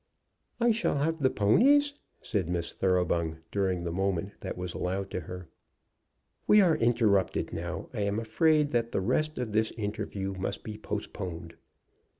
"I shall have the ponies?" said Miss Thoroughbung during the moment that was allowed to her. "We are interrupted now. I am afraid that the rest of this interview must be postponed."